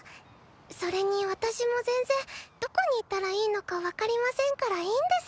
それに私も全然どこに行ったらいいのか分かりませんからいいんです。